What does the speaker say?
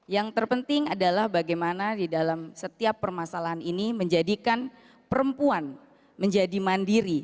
yang terpenting adalah bagaimana di dalam setiap permasalahan ini menjadikan perempuan menjadi mandiri